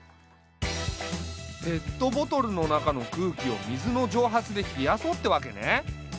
ペットボトルの中の空気を水の蒸発で冷やそうってわけね。